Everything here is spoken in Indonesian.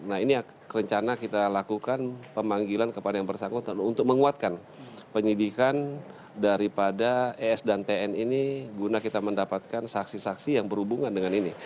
nah ini rencana kita lakukan pemanggilan kepada yang bersangkutan untuk menguatkan penyidikan daripada es dan tn ini guna kita mendapatkan saksi saksi yang berhubungan dengan ini